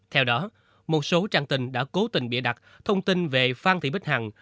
theo đó một số trang tin đã cố tình bịa đặt thông tin về phan thị bích hằng